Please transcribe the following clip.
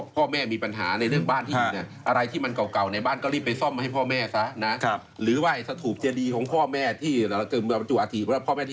เพราะฉะนั้นบ้านที่ทำให้พ่อแม่เนี่ยเก่า